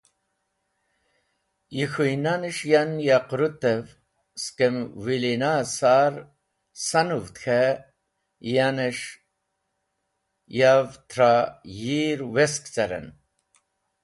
Yi k̃hũynanes̃h yan ya qũrũtev skem wilina-e sar sanũvd k̃he yanes̃h yav tra yir wesk caren.